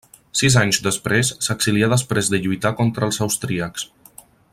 Sis anys després s'exilià després de lluitar contra els austríacs.